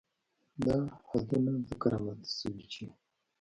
دا حدونه ځکه رامنځ ته شوي چې